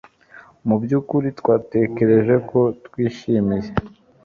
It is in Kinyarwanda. mubyukuri twatekereje ko twishimiye